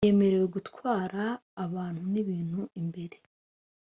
yemerewe gutwara abantu n’ibintu imbere